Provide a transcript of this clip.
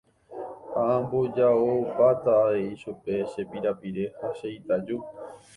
Ha amboja'opáta avei chupe che pirapire ha che itaju.